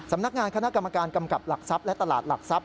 สำนักงานคณะกรรมการกำกับหลักทรัพย์และตลาดหลักทรัพย